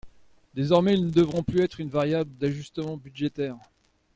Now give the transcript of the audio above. Désormais, ils ne devront plus être une variable d’ajustement budgétaire.